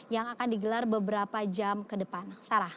yang akan digelar beberapa jam ke depan sarah